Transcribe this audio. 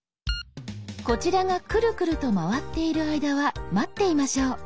こちらがクルクルと回っている間は待っていましょう。